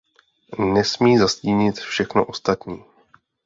Nesmí zastínit všechno ostatní.